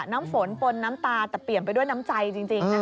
น้ำฝนปนน้ำตาแต่เปลี่ยนไปด้วยน้ำใจจริง